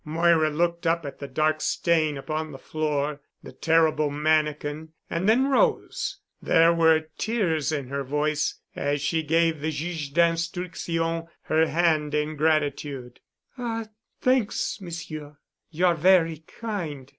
Moira looked up at the dark stain upon the floor, the terrible mannikin, and then rose. There were tears in her voice as she gave the Juge d'Instruction her hand in gratitude. "Ah, thanks, Monsieur, you are very kind.